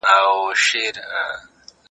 آنلاین سرچینې د پوهنې معیار ښه کړی دی.